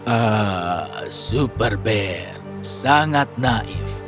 ah super band sangat naif